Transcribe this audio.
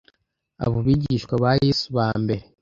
Abo bigishwa ba Yesu ba mbere